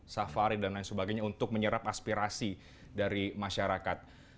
safari dan lain sebagainya untuk menyerap aspirasi dari masyarakat